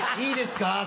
いいですか？